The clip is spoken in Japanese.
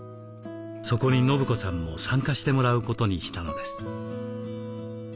そこに伸子さんも参加してもらうことにしたのです。